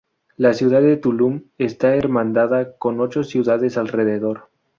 La ciudad de Tulum está hermanada con ocho ciudades alrededor